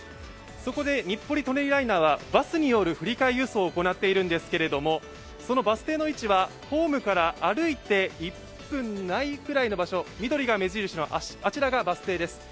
そこで日暮里・舎人ライナーはバスによる振り替え輸送を行っているんですけれどもそのバス停の位置はホームから歩いて１分ないくらいの場所、緑が目印のあちらがバス停です。